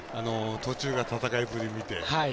途中、戦いぶりを見て。